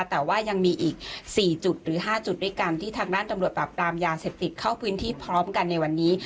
แต่ว่ายังมีอีก๔จุดหรือ๕จุดด้วยกันที่ทางด้านตำรวจปราบปรามยาเสพติดเข้าพื้นที่พร้อมกันในวันนี้